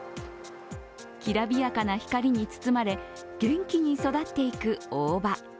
きらびやかな光に包まれ元気に育っていく大葉。